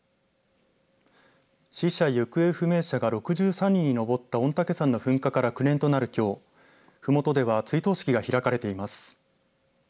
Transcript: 死者、行方不明者が６３人に上った御嶽山の噴火から９年となるきょうふもとでは追悼式が開かれています。